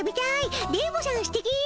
「電ボさんすてき！」。